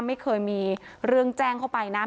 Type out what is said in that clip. ไม่เคยมีเรื่องแจ้งเข้าไปนะ